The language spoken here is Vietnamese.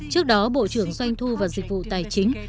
trước đó bộ trưởng doanh thu và dịch vụ tài chính